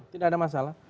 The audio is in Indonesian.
tidak ada masalah